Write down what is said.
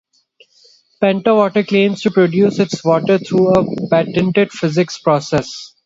Penta Water claims to produce its water through a patented physics process.